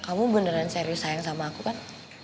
kamu beneran serius sayang sama aku kan